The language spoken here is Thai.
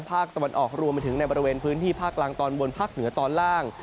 ภาคตะวันออกรวมมาถึงกระแสฟื้นที่ภาคกลางตอนบนิจกรรมภาคนำแบบเหงือตอนล่าง